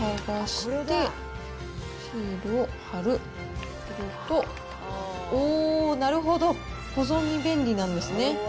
すると、おー、なるほど、保存に便利なんですね。